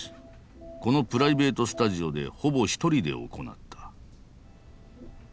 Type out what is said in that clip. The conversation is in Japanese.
このプライベートスタジオでほぼ一人で行った。